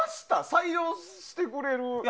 採用してくれる。